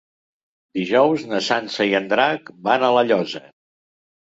Dijous na Sança i en Drac van a La Llosa.